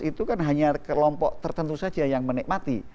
itu kan hanya kelompok tertentu saja yang menikmati